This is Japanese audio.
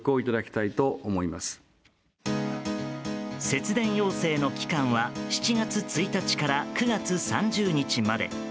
節電要請の期間は７月１日から９月３０日まで。